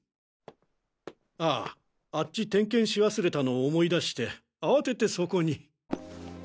あああっち点検し忘れたのを思い出して慌ててそこに。